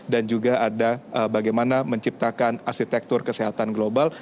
dan juga ada bagaimana menciptakan arsitektur kesehatan global